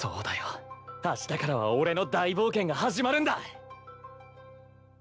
あしたからは俺の大冒険が始まるんだ！